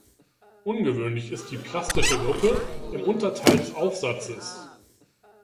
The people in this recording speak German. Ungewöhnlich ist die plastische Gruppe im Unterteil des Aufsatzes.